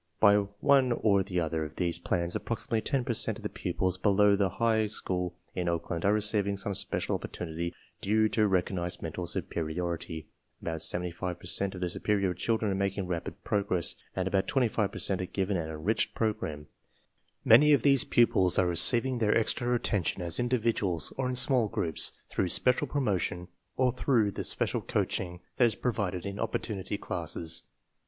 By one or the other of these plans approximately 10 per cent of the pupils below the high school in Oakland are receiving some special op portunity due to recognized mental superiority. About 75 per cent of the superior children are making rapid progress, and about 25 per cent are given an enriched program. Many of these pupils are receiving their extra attention as individuals or in small groups through special promotion or through the special coaching that is provided in opportunity classes.